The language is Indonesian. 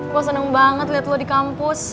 gue seneng banget liat lo di kampus